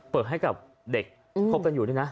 เปิดให้กับเด็กคบกันอยู่ด้วยนะ